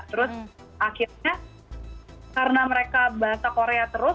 terus akhirnya karena mereka bahasa korea terus